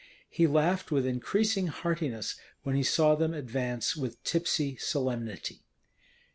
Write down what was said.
He laughed with increasing heartiness when he saw them advance with tipsy solemnity.